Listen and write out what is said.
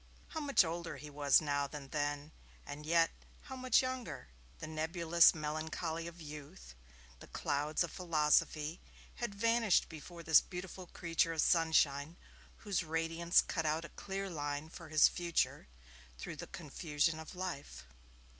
How much older he was now than then and yet how much younger! The nebulous melancholy of youth, the clouds of philosophy, had vanished before this beautiful creature of sunshine whose radiance cut out a clear line for his future through the confusion of life.